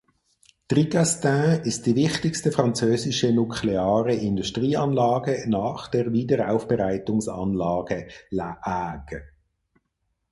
Tricastin ist die wichtigste französische nukleare Industrieanlage nach der Wiederaufarbeitungsanlage La Hague.